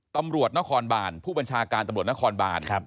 ตำรวจนครบานผู้บัญชาการตำรวจนครบาน